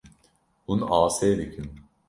Hûn asê dikin.